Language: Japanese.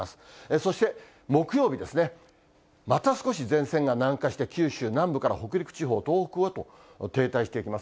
そして木曜日ですね、また少し前線が南下して、九州南部から北陸地方、東北へと停滞していきます。